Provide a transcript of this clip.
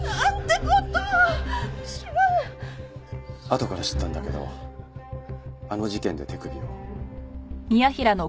あとから知ったんだけどあの事件で手首を。